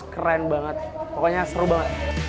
keren banget pokoknya seru banget